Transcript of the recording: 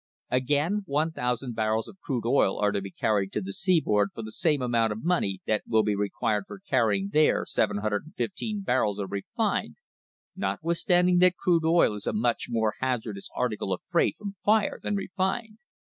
Again, 1,000 barrels of crude oil are to be carried to the seaboard for the same amount of money that will be required for carrying there 715 barrels of refined, notwithstanding that crude oil is a much more hazardous article of freight, from fire, than refined.